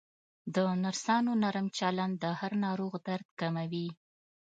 د نرسانو نرم چلند د هر ناروغ درد کموي.